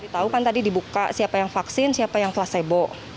tahu kan tadi dibuka siapa yang vaksin siapa yang placebo